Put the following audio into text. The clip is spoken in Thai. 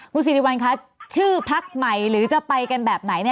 คุณสิริวัลคะชื่อพักใหม่หรือจะไปกันแบบไหน